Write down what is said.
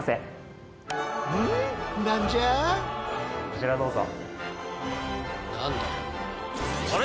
こちらどうぞ。